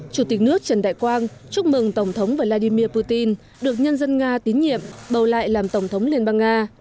chủ tịch nước trần đại quang chúc mừng tổng thống vladimir putin được nhân dân nga tín nhiệm bầu lại làm tổng thống liên bang nga